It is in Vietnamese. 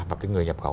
và cái người nhập khẩu